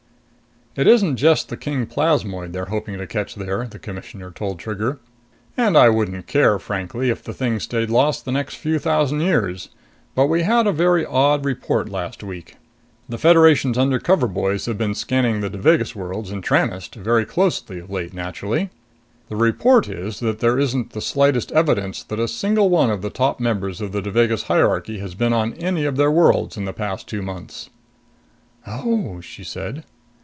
"It isn't just the king plasmoid they're hoping to catch there," the Commissioner told Trigger. "And I wouldn't care, frankly, if the thing stayed lost the next few thousand years. But we had a very odd report last week. The Federation's undercover boys have been scanning the Devagas worlds and Tranest very closely of late, naturally. The report is that there isn't the slightest evidence that a single one of the top members of the Devagas hierarchy has been on any of their worlds in the past two months." "Oh," she said.